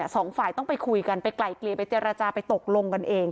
สองฝ่ายต้องไปคุยกันไปไกลเกลี่ยไปเจรจาไปตกลงกันเอง